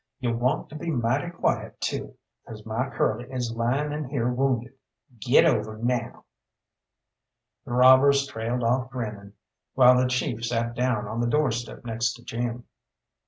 You want to be mighty quiet too, 'cause my Curly is lying in here wounded. Git over now!" The robbers trailed off grinning, while the chief sat down on the doorstep next to Jim.